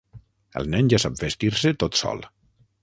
El nen ja sap vestir-se tot sol.